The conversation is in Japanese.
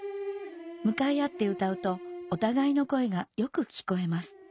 むかい合って歌うとおたがいの声がよく聴こえます。